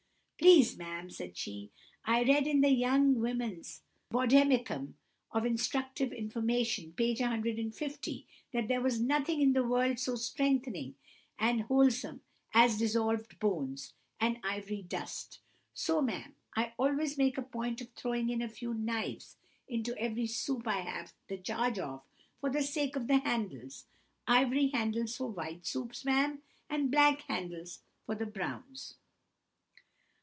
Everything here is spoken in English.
"'Please, ma'am,' said she, 'I read in the Young Woman's Vademecum of Instructive Information, page 150, that there was nothing in the world so strengthening and wholesome as dissolved bones, and ivory dust; and so, ma'am, I always make a point of throwing in a few knives into every soup I have the charge of, for the sake of the handles—ivory handles for white soups, ma'am, and black handles for the browns!